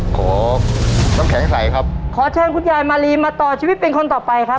ขอน้ำแข็งใสครับขอเชิญคุณยายมารีมาต่อชีวิตเป็นคนต่อไปครับ